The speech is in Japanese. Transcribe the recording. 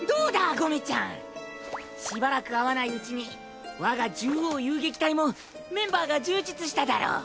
ゴメちゃん。しばらく会わないうちに我が獣王遊撃隊もメンバーが充実しただろう？